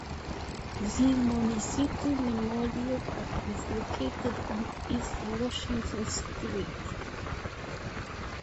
The Montecito Memorial Park is located on East Washington Street.